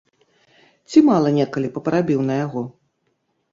Ці мала некалі папарабіў на яго?